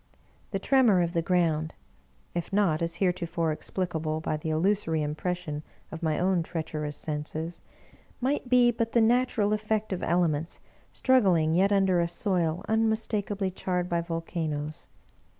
The tremor of the ground (if not, as heretofore, explicable by the illusory impression of my own treacherous senses) might be but the natural effect of elements struggling yet under a soil unmistakably charred by volcanoes.